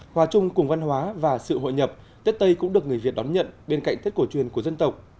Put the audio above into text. hòa chung cùng văn hóa và sự hội nhập tết tây cũng được người việt đón nhận bên cạnh tết cổ truyền của dân tộc